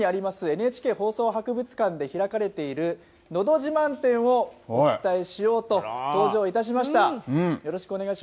ＮＨＫ放送博物館で開かれている、のど自慢展をお伝えしようと登場いたしました。